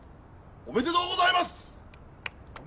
おめでとうございます！